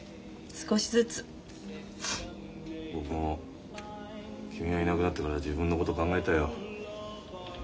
僕も君がいなくなってから自分のこと考えたよ。